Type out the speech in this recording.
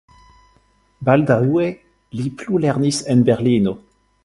Baldaŭe li plulernis en Berlino.